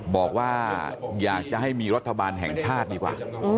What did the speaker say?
บอกว่าอยากจะให้มีรัฐบาลแห่งชาติดีกว่า